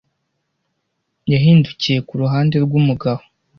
yahindukiye ku ruhande rw'umugabo